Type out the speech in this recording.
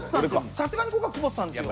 さすがにここは久保田さんですよ。